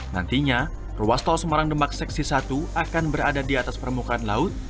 nantinya ruas tol semarang demak seksi satu akan berada di atas permukaan laut